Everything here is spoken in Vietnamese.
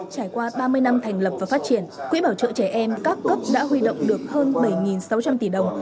trải qua ba mươi năm thành lập và phát triển quỹ bảo trợ trẻ em các cấp đã huy động được hơn bảy sáu trăm linh tỷ đồng